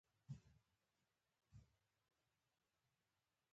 زه به تکرار شم، زه به بیا،